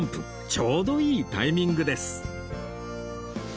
ちょうどいいタイミングです